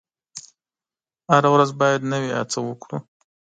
هره ورځ باید نوې هڅه وکړو.